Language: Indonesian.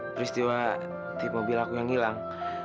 peristiwa tip mobil aku yang hilang